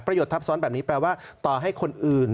โยชนทับซ้อนแบบนี้แปลว่าต่อให้คนอื่น